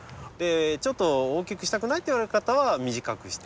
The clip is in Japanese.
ちょっと大きくしたくないといわれる方は短くして。